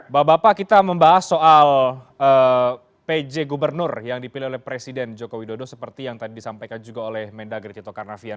bapak bapak kita membahas soal pj gubernur yang dipilih oleh presiden joko widodo seperti yang tadi disampaikan juga oleh mendagri tito karnavian